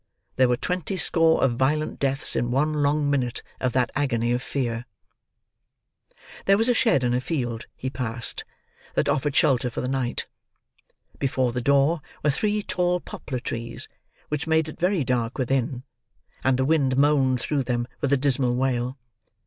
There were twenty score of violent deaths in one long minute of that agony of fear. There was a shed in a field he passed, that offered shelter for the night. Before the door, were three tall poplar trees, which made it very dark within; and the wind moaned through them with a dismal wail.